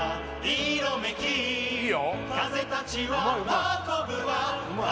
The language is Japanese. いいよ・